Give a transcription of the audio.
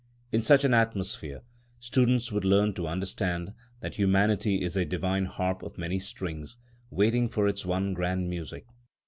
In such an atmosphere students would learn to understand that humanity is a divine harp of many strings, waiting for its one grand music.